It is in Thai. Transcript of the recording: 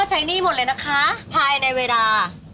คุณพ่อใช้หนี้หมดเลยนะคะภายในเวลา